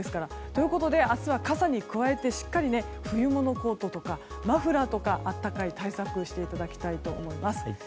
ということで明日は傘に加えてしっかり冬物のコートとかマフラーとか、暖かい対策をしていただきたいと思います。